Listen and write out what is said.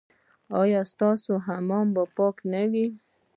ایا ستاسو حمام به پاک نه وي؟